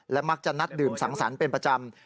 มักจะนัดดื่มสังสรรค์เป็นประจำ